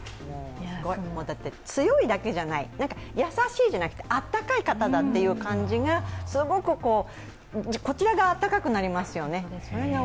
強いだけじゃない、優しいじゃくてあったかい方だという感じがすごく、こちらがあったかくなりますよね。